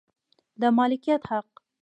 د مالکیت حق